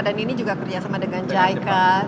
dan ini juga kerjasama dengan jica